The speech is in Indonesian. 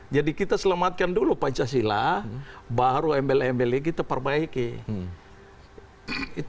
jadi kita selamatkan dulu pancasila baru mbl mbl lagi kita perbaiki